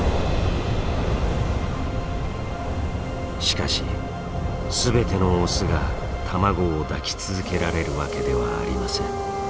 しかし全てのオスが卵を抱き続けられるわけではありません。